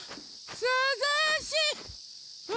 すずしい！